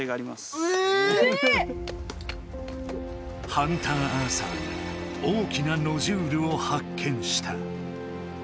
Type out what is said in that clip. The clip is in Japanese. ハンターアーサーが大きなノジュールを発見した。